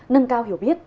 nâng cao hiểu biết